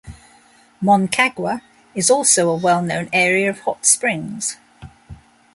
Moncagua is also a well known area of hot springs.